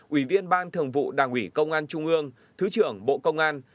ủy viên ban thường vụ đảng ủy công an trung ương thứ trưởng bộ công an